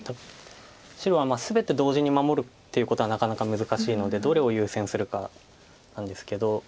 白は全て同時に守るっていうことはなかなか難しいのでどれを優先するかなんですけど。